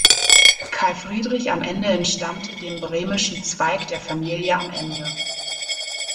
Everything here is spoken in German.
Karl Friedrich am Ende entstammte dem bremischen Zweig der Familie am Ende.